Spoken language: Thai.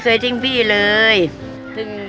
ประมาณ๗๐๘๐ปีได้แล้วบ้านหลังนี้